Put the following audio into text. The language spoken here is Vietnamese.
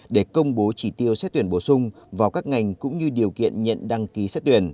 để công bố chỉ tiêu xét tuyển bổ sung vào các ngành cũng như điều kiện nhận đăng ký xét tuyển